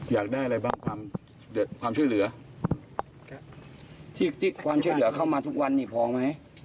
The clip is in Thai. อยากได้อะไรบ้างความช่วยเหลือที่ความช่วยเหลือเข้ามาทุกวันนี้พอไหม